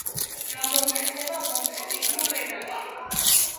გამოიყენება მონტენეგრულ ენაში.